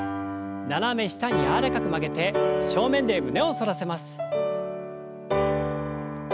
斜め下に柔らかく曲げて正面で胸を反らせます。